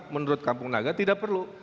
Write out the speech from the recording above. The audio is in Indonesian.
menurut kampung naga tidak perlu